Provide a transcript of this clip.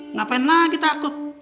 ngapain lagi takut